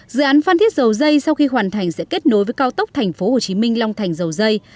dự án phan thiết dầu dây sau khi hoàn thành sẽ kết nối với cao tốc tp hcm long thành dầu dây